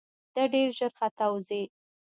ته ډېر ژر ختاوزې !